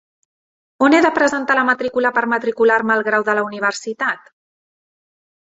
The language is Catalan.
On he de presentar la matrícula per matricular-me al grau de la universitat?